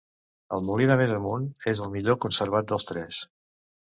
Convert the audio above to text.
El Molí de Més Amunt és el millor conservat dels tres.